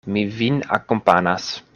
Mi vin akompanas.